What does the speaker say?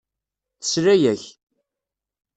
Tesla-ak.